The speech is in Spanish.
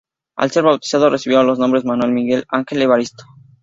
Al ser bautizado recibió los nombres Manuel Miguel Ángel Evaristo.